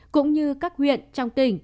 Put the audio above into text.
cũng như các huyện trong tỉnh